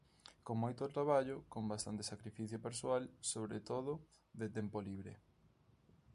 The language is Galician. Con moito traballo, con bastante sacrificio persoal, sobre todo de tempo libre.